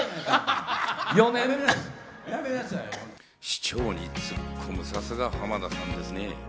市長にツッコむ、さすが浜田さんですね。